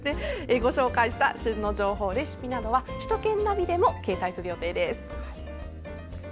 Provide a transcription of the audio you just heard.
ご紹介した旬の情報レシピなどは首都圏ナビでも掲載する予定です。